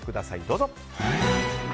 どうぞ。